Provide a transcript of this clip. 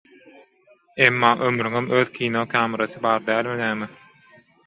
Emma ömrüňem öz «kino kamerasy» bar dälmi näme?